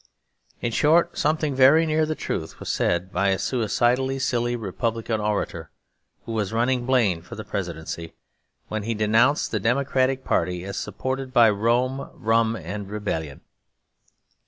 In short, something very near the truth was said by a suicidally silly Republican orator, who was running Blaine for the Presidency, when he denounced the Democratic party as supported by 'Rome, rum, and rebellion.'